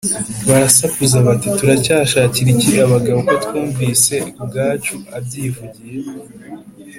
” barasakuza bati, “turacyashakira iki abagabo, ko twumvise ubwacu abyivugiye